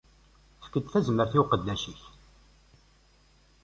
Efk-d tazmert-ik i uqeddac-ik.